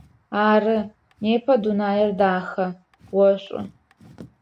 Ары, непэ дунаир дахэ, ошӏу.